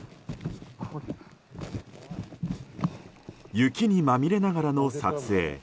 雪にまみれながらの撮影。